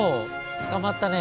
つかまったね。